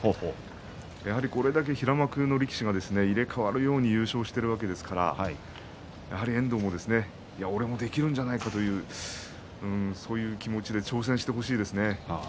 やはり、これだけ平幕の力士が入れ代わるように優勝しているわけですから遠藤も俺もできるんじゃないかというねそういう気持ちで挑戦してほしいですね。